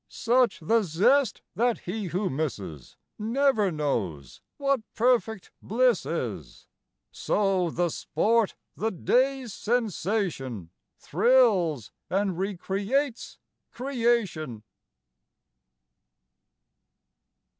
Such the zest that he who misses Never knows what perfect bliss is. So the sport, the day's sensation, Thrills and recreates creation.